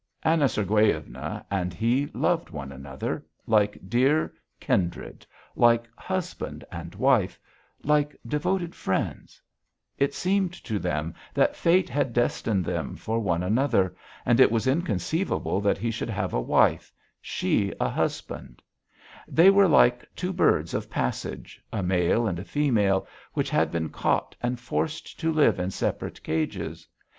Anna Sergueyevna and he loved one another, like dear kindred, like husband and wife, like devoted friends; it seemed to them that Fate had destined them for one another, and it was inconceivable that he should have a wife, she a husband; they were like two birds of passage, a male and a female, which had been caught and forced to live in separate cages.